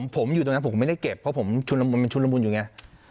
ผมอยู่ตรงนั้นผมก็ไม่ได้เก็บเพราะผมมันชุดละมุนอยู่ไง